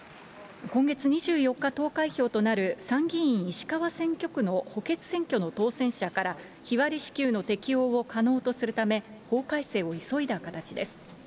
今月２４日投開票となる参議院石川選挙区の補欠選挙の当選者から日割り支給の適用を可能とするため、法改正を急いだ形です。